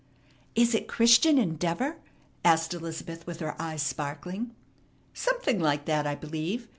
"Is it Christian Endeavor?" asked Elizabeth, with her eyes sparkling. "Something like that, I believe.